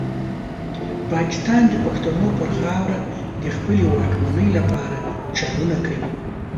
پاکستان د پښتنو پر خاوره د خپلې واکمنۍ لپاره چلونه کوي.